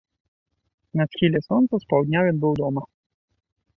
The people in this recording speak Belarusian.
На схіле сонца з паўдня ён быў дома.